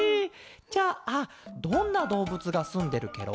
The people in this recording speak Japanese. じゃあどんなどうぶつがすんでるケロ？